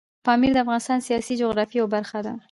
پامیر د افغانستان د سیاسي جغرافیې یوه برخه ده.